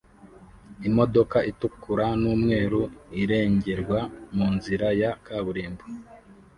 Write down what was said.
Imodoka itukura n'umweru irengerwa munzira ya kaburimbo